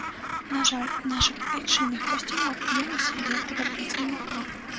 На жаль, нашых айчынных касцюмаў я на сябе падабраць не магу.